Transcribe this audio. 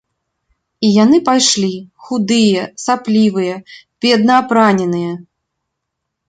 І яны пайшлі, худыя, саплівыя, бедна апраненыя.